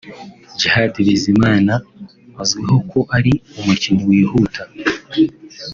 Djihad Bizimana azwiho ko ari umukinnyi wihuta